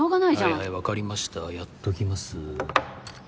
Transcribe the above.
はいはいわかりましたやっときます。